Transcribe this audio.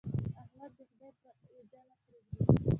احمد د خدای پر اوېجه نه پرېږدي.